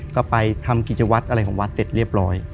ก็ไปทำกิจวัตรอะไรของวัดเสร็จเรียบร้อย